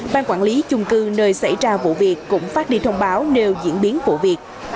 ban quản lý chung cư nơi xảy ra vụ việc cũng phát đi thông báo nêu diễn biến vụ việc